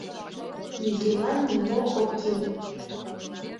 Нигӧлан нимо ок кӱл.